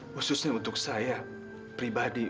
khususnya untuk saya pribadi